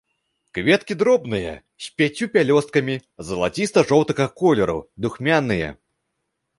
Кветкі дробныя, з пяццю пялёсткамі, залаціста-жоўтага колеру, духмяныя.